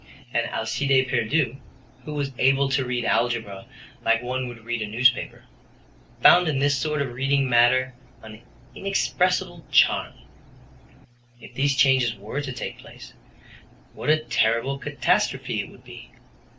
And Alcide Pierdeux, who was able to read algebra like one would read a newspaper, found in this sort of reading matter an inexpressible charm. If these changes were to take place, what a terrible catastrophe it would be!